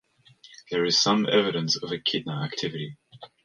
There is some evidence of echidna activity.